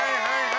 はい！